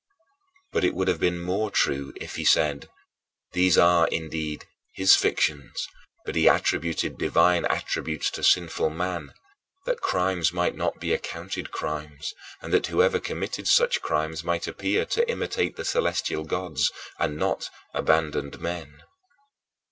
" But it would have been more true if he said, "These are, indeed, his fictions, but he attributed divine attributes to sinful men, that crimes might not be accounted crimes, and that whoever committed such crimes might appear to imitate the celestial gods and not abandoned men."